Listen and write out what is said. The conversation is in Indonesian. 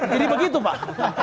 jadi begitu pak